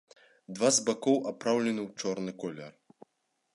Два з бакоў апраўлены ў чорны колер.